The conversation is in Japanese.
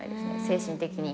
精神的に。